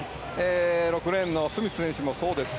６レーンのスミス選手もそうですし。